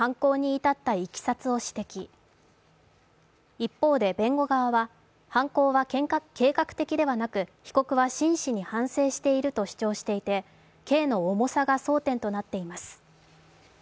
一方で、弁護側は犯行は計画的ではなく被告は真摯に反省していると主張していて、刑の重さが争点となっています。